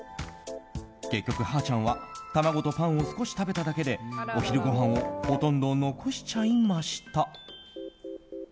結局、はーちゃんは卵とパンを少し食べただけでお昼ごはんをほとんど残しちゃいました。